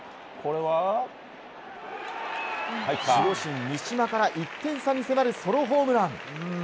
守護神、三嶋から１点差に迫るソロホームラン。